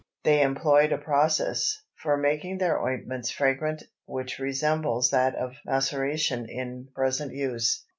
They employed a process for making their ointments fragrant which resembles that of maceration in present use.